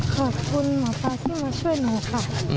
ขอบคุณหมอปลาที่มาช่วยหนูค่ะ